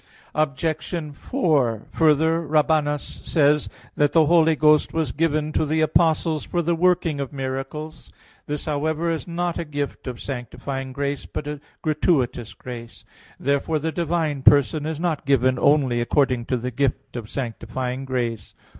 Obj. 4: Further, Rabanus says that the Holy Ghost was given to the apostles for the working of miracles. This, however, is not a gift of sanctifying grace, but a gratuitous grace. Therefore the divine person is not given only according to the gift of sanctifying grace.